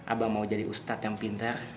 abang mau jadi ustadz yang pintar